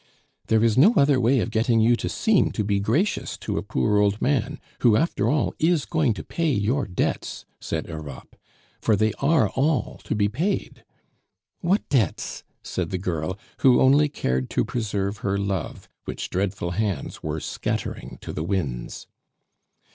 "There is no other way of getting you to seem to be gracious to a poor old man, who, after all, is going to pay your debts," said Europe. "For they are all to be paid." "What debts?" said the girl, who only cared to preserve her love, which dreadful hands were scattering to the winds.